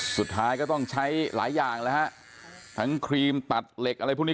สุดท้ายก็ต้องใช้หลายอย่างแล้วฮะทั้งครีมตัดเหล็กอะไรพวกนี้